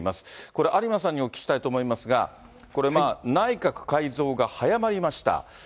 これ、有馬さんにお聞きしたいと思いますが、これ、内閣改造が早まりました。